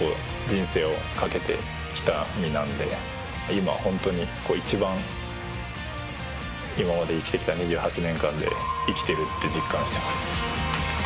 今ホントに一番今まで生きてきた２８年間で生きているって実感しています。